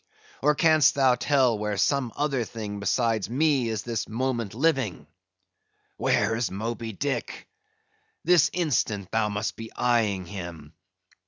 Or canst thou tell where some other thing besides me is this moment living? Where is Moby Dick? This instant thou must be eyeing him.